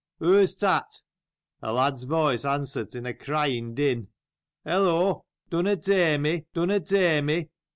"Who is that?" A lad's voice answered, in a crying din, " Eh, Law ! dunna tak' — dunna tak' me."